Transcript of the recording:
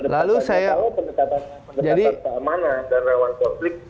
tahu pendekatannya keamanan dan rawan publik